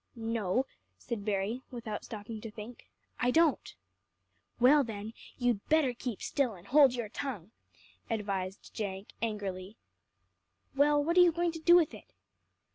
"No," said Berry without stopping to think, "I don't." "Well, then, you better keep still, and hold your tongue," advised Jenk angrily. "Well, what are you going to do with it?"